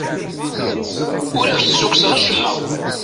Ur ak-d-ssukkseɣ acemma.